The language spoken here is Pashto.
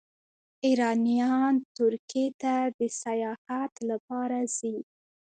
ایرانیان ترکیې ته د سیاحت لپاره ځي.